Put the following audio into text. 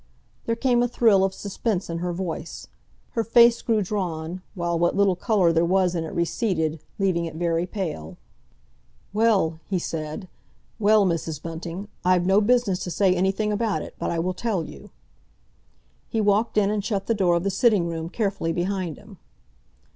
There came a thrill of suspense in her voice, her face grew drawn, while what little colour there was in it receded, leaving it very pale. "Well," he said. "Well, Mrs. Bunting, I've no business to say anything about it—but I will tell you!" He walked in and shut the door of the sitting room carefully behind him.